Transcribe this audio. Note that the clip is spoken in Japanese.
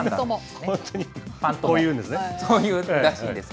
こういうんですね。